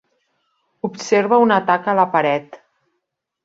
Observa una taca a la paret.